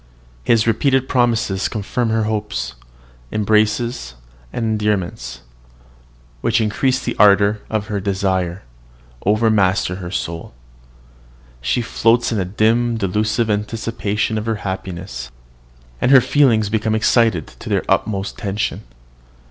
His repeated promises confirm her hopes: embraces and endearments, which increase the ardour of her desires, overmaster her soul. She floats in a dim, delusive anticipation of her happiness; and her feelings become excited to their utmost tension.